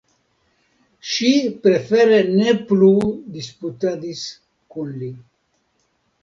Ŝi prefere ne plu disputadis kun li.